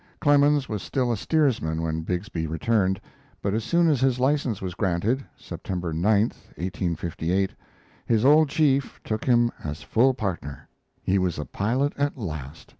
Clemens was still a steersman when Bixby returned; but as soon as his license was granted (September 9, 1858) his old chief took him as full partner. He was a pilot at last.